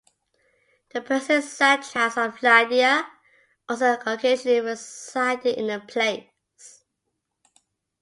The Persian satraps of Lydia also occasionally resided in the place.